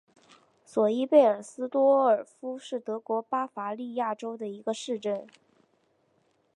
索伊贝尔斯多尔夫是德国巴伐利亚州的一个市镇。